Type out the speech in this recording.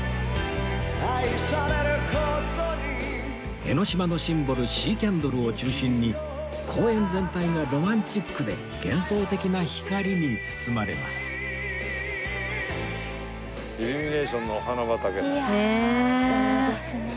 江の島のシンボルシーキャンドルを中心に公園全体もロマンチックで幻想的な光に包まれますねえ。